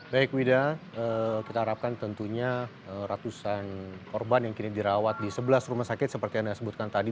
baik wida kita harapkan tentunya ratusan korban yang kini dirawat di sebelah rumah sakit seperti yang anda sebutkan tadi